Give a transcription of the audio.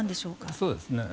そうですね。